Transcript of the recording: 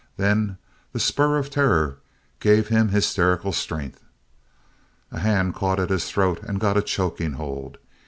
Then the spur of terror gave him hysterical strength. A hand caught at his throat and got a choking hold.